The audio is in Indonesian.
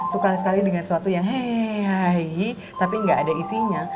suka sekali dengan suatu yang heeey tapi gak ada isinya